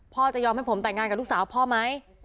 จะยอมให้ผมแต่งงานกับลูกสาวพ่อไหม